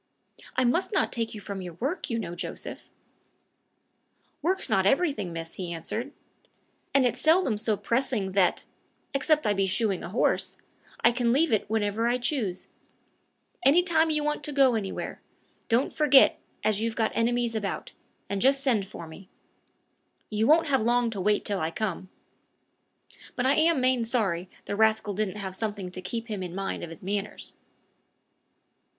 "I must not take you from your work, you know, Joseph." "Work's not everything, miss," he answered; "and it's seldom so pressing but that except I be shoeing a horse I can leave it when I choose. Any time you want to go anywhere, don't forget as you've got enemies about, and just send for me. You won't have long to wait till I come. But I am main sorry the rascal didn't have something to keep him in mind of his manners."